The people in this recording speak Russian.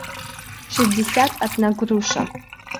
шестьдесят одна груша